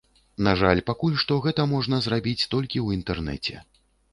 На жаль пакуль што гэта можна зрабіць толькі ў інтэрнэце.